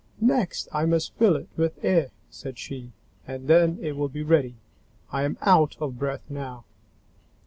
"Next I must fill it with air," said she, "and then it will be ready. I am out of breath now."